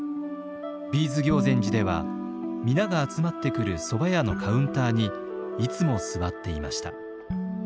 Ｂ’ｓ行善寺では皆が集まってくるそば屋のカウンターにいつも座っていました。